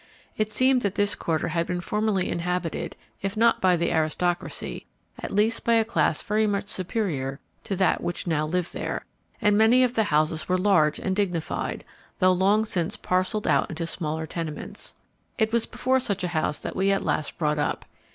It seemed that this quarter had been formerly inhabited, if not by the aristocracy, at least by a class very much superior to that which now lived there; and many of the houses were large and dignified, though long since parcelled out into smaller tenements. It was before such a house that we at last brought up.